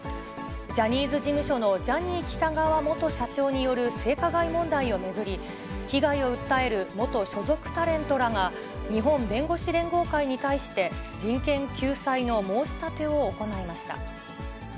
ジャニーズ事務所のジャニー喜多川元社長による性加害問題を巡り、被害を訴える元所属タレントらが、日本弁護士連合会に対して、人権救済の申し立てを行いました。